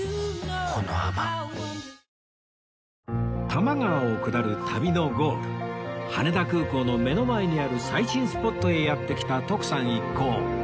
多摩川を下る旅のゴール羽田空港の目の前にある最新スポットへやって来た徳さん一行